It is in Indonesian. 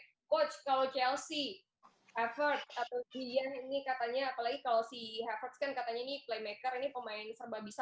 coach kalo chelsea havertz atau julian ini katanya apalagi kalo si havertz kan katanya ini playmaker ini pemain serba bisa